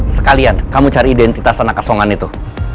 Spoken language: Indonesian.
sekalian kamu cari identitas anak asongan itu